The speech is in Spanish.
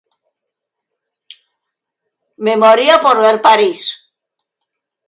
Me moría por ver París.